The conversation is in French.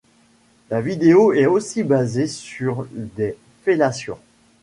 La vidéo est aussi basée sur des fellations.